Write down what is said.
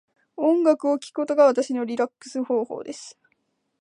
音楽を聴くことが私のリラックス方法です。